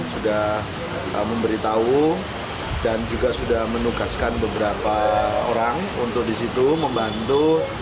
sudah memberitahu dan juga sudah menugaskan beberapa orang untuk di situ membantu